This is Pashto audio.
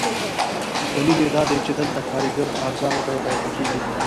دلیل یې دادی چې دلته کارګر په ارزانه بیه پیدا کېږي.